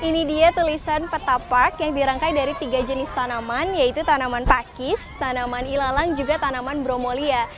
dan ini adalah spot tulisan petapark yang dirangkai dari tiga jenis tanaman yaitu tanaman pakis tanaman ilalang juga tanaman bromolia